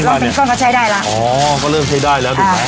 ส้มก็ใช้ได้แล้วอ๋อก็เริ่มใช้ได้แล้วถูกไหม